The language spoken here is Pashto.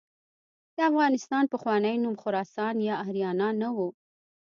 د افغانستان پخوانی نوم خراسان یا آریانا نه و.